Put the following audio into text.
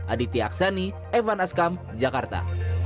aditya aksani evan askam jakarta